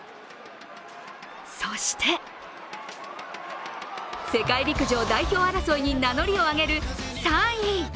そして世界陸上代表争いに名乗りを上げる３位。